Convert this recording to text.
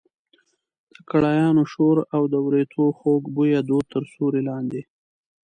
د کړایانو شور او د وریتو خوږ بویه دود تر سیوري لاندې.